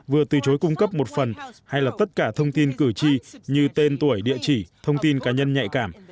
vừa từ chối cung cấp một phần hay là tất cả thông tin cử tri như tên tuổi địa chỉ thông tin cá nhân nhạy cảm